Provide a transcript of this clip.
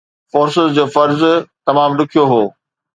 forces جو فرض تمام ڏکيو هو